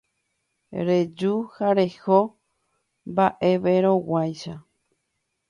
reju ha reho mba'everõguáicha.